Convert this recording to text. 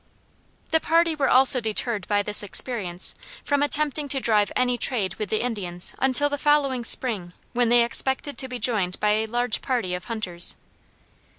The party were also deterred by this experience from attempting to drive any trade with the Indians until the following spring, when they expected to be joined by a large party of hunters.